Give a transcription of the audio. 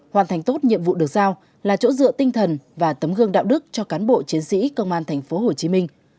hoàn thành tốt nhiệm vụ được giao là chỗ dựa tinh thần và tấm gương đạo đức cho cán bộ chiến sĩ công an tp hcm